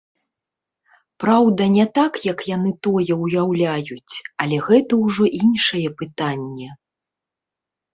Праўда, не так, як яны тое ўяўляюць, але гэта ўжо іншае пытанне.